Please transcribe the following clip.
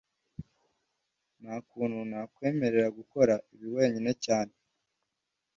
Nta kuntu nakwemerera gukora ibi wenyine cyane